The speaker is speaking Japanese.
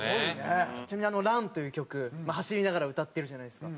ちなみに『ＲＵＮ』という曲走りながら歌ってるじゃないですか。